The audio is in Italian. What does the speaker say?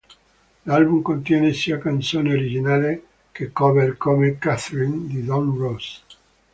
L'album contiene sia canzoni originali che cover come "Catherine" di Don Ross.